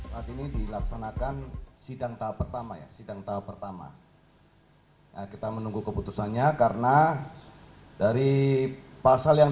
saat ini dilaksanakan sidang tahap pertama kita menunggu keputusannya karena dari pasal yang